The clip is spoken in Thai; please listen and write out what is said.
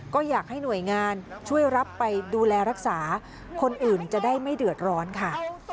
ก็อยากให้หน่วยงานช่วยรับไปดูแลรักษาคนอื่นจะได้ไม่เดือดร้อนค่ะ